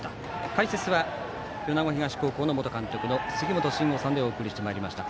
解説は米子東高校の元監督の杉本真吾さんでお送りしてまいりました。